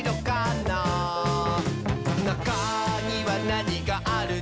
「なかにはなにがあるのかな？」